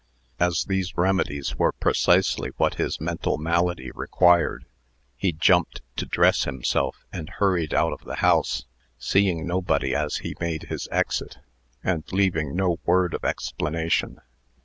As these remedies were precisely what his mental malady required, he jumped to dress himself, and hurried out of the house, seeing nobody as he made his exit, and leaving no word of explanation.